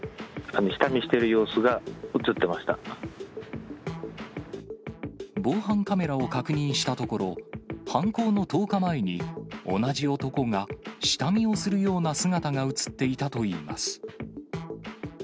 下見している様子が写ってま防犯カメラを確認したところ、犯行の１０日前に、同じ男が、下見をするような姿が写っていたといいます。